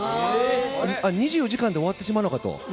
２４時間で終わってしまうのかと。